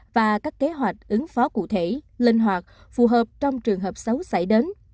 và các kế hoạch ứng phó cụ thể linh hoạt phù hợp trong trường hợp xấu xảy đến